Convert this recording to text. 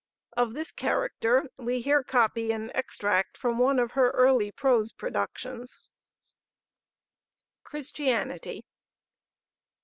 Of this character we here copy an extract from one of her early prose productions: CHRISTIANITY.